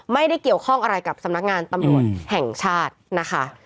ไม่ได้เกี่ยวข้องอะไรกับสำนักงานตำรวจแห่งชาตินะคะ